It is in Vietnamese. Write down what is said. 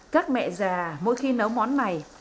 các mẹ già mỗi khi nấu món này